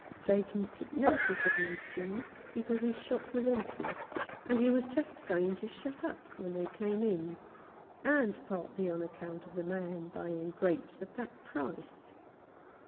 Jakins took notice of these two because his shop was empty, and he was just going to shut up when they came in, and partly on account of the man buying grapes at that price.